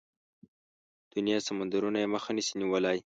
د دنيا سمندرونه يې مخه نشي نيولای.